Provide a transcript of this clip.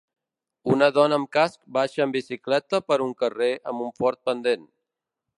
Una dona amb casc baixa amb bicicleta per un carrer amb un fort pendent.